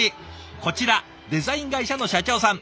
こちらデザイン会社の社長さん。